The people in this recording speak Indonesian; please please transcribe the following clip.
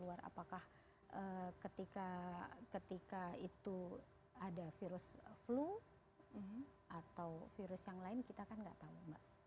apakah ketika itu ada virus flu atau virus yang lain kita kan nggak tahu mbak